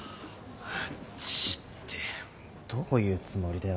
マジでどういうつもりだよ